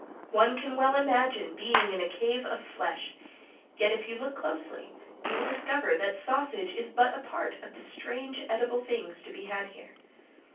One can well imagine being in a cave of flesh, yet if you look closely you will discover that sausage is but a part of the strange edible things to be had here.